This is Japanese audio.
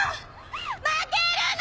負けるな！